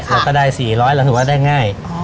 เราก็ได้๔๐๐เราถือว่าได้ง่าย